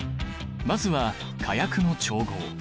まずは火薬の調合。